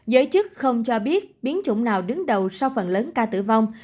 giới chức không cho biết biến chủng nào đứng đầu sau phần lớn ca tử vong